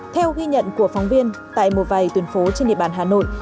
theo ghi nhận của phóng viên tại một vài tuyến phố trên địa bàn hà nội